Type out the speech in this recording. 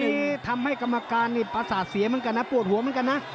ที่ทำให้กรรมการปราศาสตร์เสียแล้วกันนะ